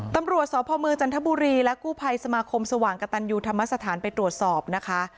ตำรวจสพเมืองจันทบุรีและกู้ภัยสมาคมสว่างกระตันยูธรรมสถานไปตรวจสอบนะคะ